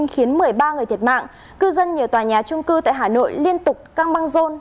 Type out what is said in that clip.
khiến một mươi ba người thiệt mạng cư dân nhiều tòa nhà trung cư tại hà nội liên tục căng băng rôn